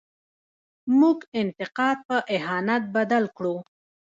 موږ انتقاد په اهانت بدل کړو.